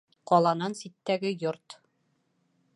Ҡаланан ситтәге йорт